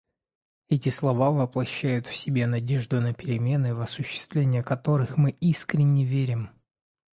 Эти слова воплощают в себе надежду на перемены, в осуществление которых мы искренне верим.